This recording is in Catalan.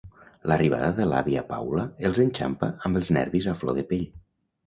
L'arribada de l'àvia Paula els enxampa amb els nervis a flor de pell.